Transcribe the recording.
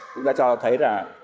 chúng ta cho thấy là